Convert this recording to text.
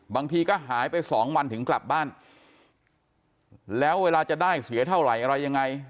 บางทีก็หายไปสองวันถึงกลับบ้านแล้วเวลาจะได้เสียเท่าไหร่อะไรยังไง